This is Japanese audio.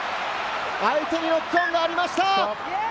相手にノックオンがありました。